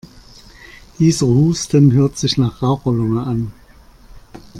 Dieser Husten hört sich nach Raucherlunge an.